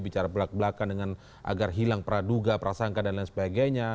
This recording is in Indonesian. bicara belak belakan dengan agar hilang praduga prasangka dan lain sebagainya